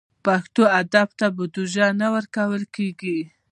پښتو ادب ته بودیجه نه ورکول کېږي.